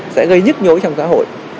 sẽ gây nhức nhối trong xã hội